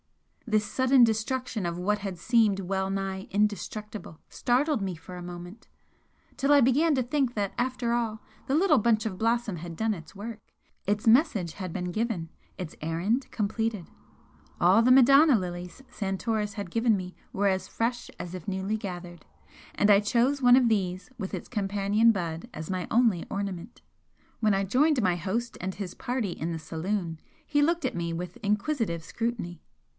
This sudden destruction of what had seemed well nigh indestructible startled me for a moment till I began to think that after all the little bunch of blossom had done its work, its message had been given its errand completed. All the Madonna lilies Santoris had given me were as fresh as if newly gathered, and I chose one of these with its companion bud as my only ornament. When I joined my host and his party in the saloon he looked at me with inquisitive scrutiny.